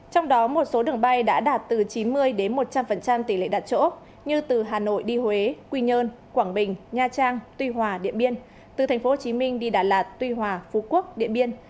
trong đó một số đường bay đã đạt từ chín mươi một trăm linh tỷ lệ đặt chỗ như từ hà nội đi huế quy nhơn quảng bình nha trang tuy hòa điện biên từ tp hcm đi đà lạt tuy hòa phú quốc điện biên